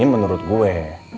ini menurut gue